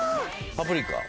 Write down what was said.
パプリカ。